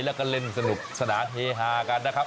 แล้วก็เล่นสนุกสนานเฮฮากันนะครับ